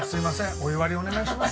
お湯割りお願いします